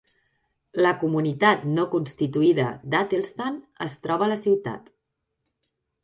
La comunitat no constituïda d'Athelstane es troba a la ciutat.